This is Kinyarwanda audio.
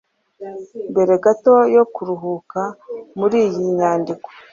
Mbere gato yo kuruhuka muriyi nyandiko